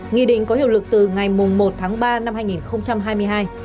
nghị định có hiệu lực từ ngày một tháng ba năm hai nghìn hai mươi hai